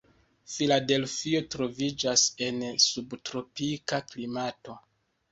Filadelfio troviĝas en subtropika klimato.